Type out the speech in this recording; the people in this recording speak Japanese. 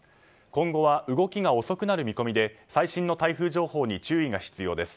今後は動きが遅くなる見込みで最新の台風情報に注意が必要です。